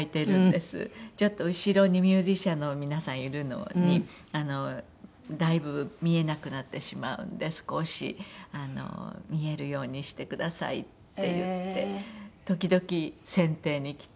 「ちょっと後ろにミュージシャンの皆さんいるのにだいぶ見えなくなってしまうんで少し見えるようにしてください」って言って時々剪定に来て。